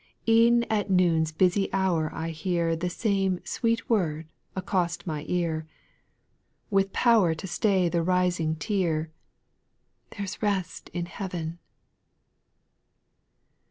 8. E'en at noon's busy hour I hear The same sweet word accost my ear, With power to stay the rising tear, —" There 's rest in heaven."